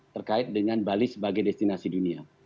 terkait dengan bali sebagai destinasi dunia